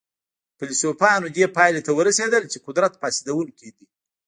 فلسفیانو دې پایلې ته ورسېدل چې قدرت فاسدونکی دی.